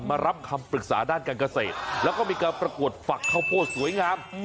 รับคำปรึกษาด้านการเกษตรแล้วก็มีการประกวดฝักข้าวโพดสวยงาม